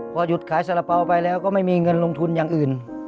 พอหยุดขายสาระเป๋าไปแล้วก็ไม่มีเงินลงทุนอย่างอื่น